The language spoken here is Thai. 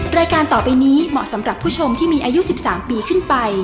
รายการต่อไปนี้เหมาะสำหรับผู้ชมที่มีอายุ๑๓ปีขึ้นไป